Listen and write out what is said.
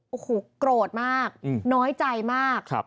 โอ้โหโกรธมากน้อยใจมาก